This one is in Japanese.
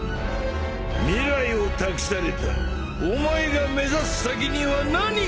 未来を託されたお前が目指す先には何がある？